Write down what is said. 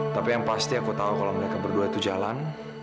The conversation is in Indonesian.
tapi yang pasti aku tahu kalau mereka berdua itu jalan